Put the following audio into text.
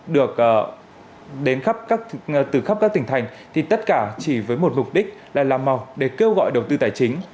được đến từ khắp các tỉnh thành thì tất cả chỉ với một mục đích là làm màu để kêu gọi đầu tư tài chính